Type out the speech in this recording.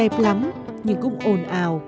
hà nội đẹp lắm nhưng cũng ồn ào